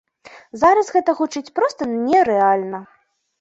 Зараз гэта гучыць проста нерэальна.